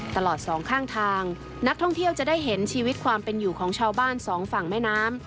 สองข้างทางนักท่องเที่ยวจะได้เห็นชีวิตความเป็นอยู่ของชาวบ้านสองฝั่งแม่น้ำ